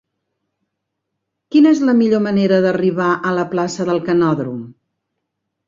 Quina és la millor manera d'arribar a la plaça del Canòdrom?